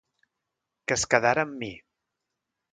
Que es quedara amb mi.